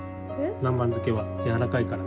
南蛮漬けはやわらかいから。